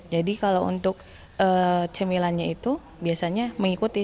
jadi kalau untuk cemilannya itu biasanya mengikuti